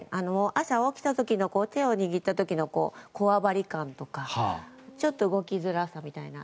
朝起きた時の手を握った時のこわばり感とかちょっと動きづらさみたいな。